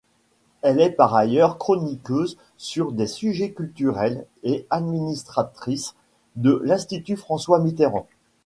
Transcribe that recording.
Elle est par ailleurs chroniqueuse sur des sujets culturels et administratrice de l'institut François-Mitterrand.